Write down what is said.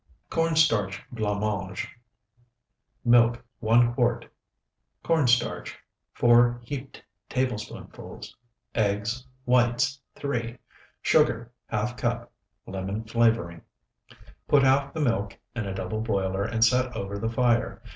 CORN STARCH BLANC MANGE Milk, 1 quart. Corn starch, 4 heaped tablespoonfuls. Eggs, whites, 3. Sugar, ½ cup. Lemon flavoring. Put half the milk in a double boiler and set over the fire.